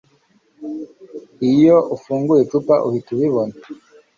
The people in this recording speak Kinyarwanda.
Iyo ufunguye icupa uhita ubibona